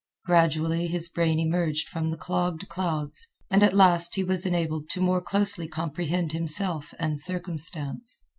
Gradually his brain emerged from the clogged clouds, and at last he was enabled to more closely comprehend himself and circumstance.